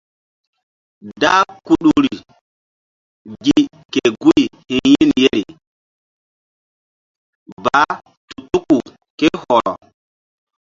Dah Kudu gi ke guy hi̧ yin yeri baah tu tuku ké hɔrɔ.